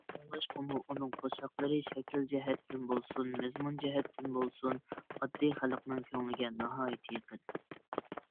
شۇڭلاشقىمۇ ئۇنىڭ قوشاقلىرى شەكىل جەھەتتىن بولسۇن، مەزمۇن جەھەتتىن بولسۇن، ئاددىي خەلقنىڭ كۆڭلىگە ناھايىتى يېقىن.